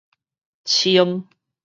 清